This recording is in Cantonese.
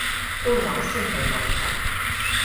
官話先係問題